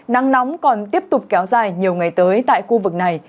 nắng nóng còn tiếp tục kéo dài nhiều ngày tới tại khu vực này